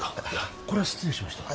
これは失礼しました。